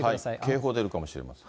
警報出るかもしれません。